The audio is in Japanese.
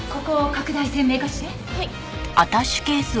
はい。